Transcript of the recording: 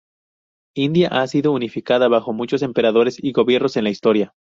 India ha sido unificada bajo muchos emperadores y gobiernos en la historia.